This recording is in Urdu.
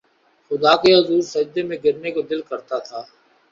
خدا کے حضور سجدے میں گرنے کو دل کرتا تھا